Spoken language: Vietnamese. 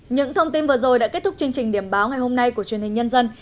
những thông tin vừa rồi đã kết thúc chương trình điểm báo ngày hôm nay của truyền hình nhân dân